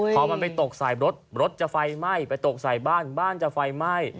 พอมันไปตกใส่รถรถจะไฟไหม้ไปตกใส่บ้านบ้านจะไฟไหม้